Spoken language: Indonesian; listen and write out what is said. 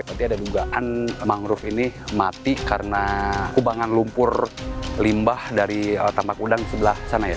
berarti ada dugaan mangrove ini mati karena kubangan lumpur limbah dari tambak udang sebelah sana ya